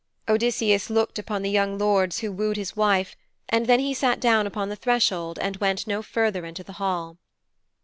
Odysseus looked upon the young lords who wooed his wife, and then he sat down upon the threshold and went no further into the hall.